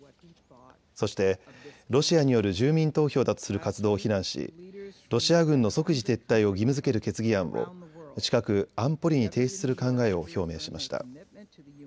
そしてロシアによる住民投票だとする活動を非難しロシア軍の即時撤退を義務づける決議案を近く安保理に提出する考えを表明しました。